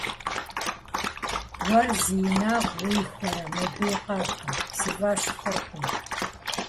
- Уэр зи инагъ уихуэрэ мобы и къэпым? Си фӏэщ хъуркъым.